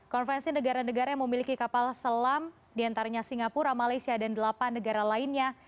konvensi negara negara yang memiliki kapal selam diantaranya singapura malaysia dan delapan negara lainnya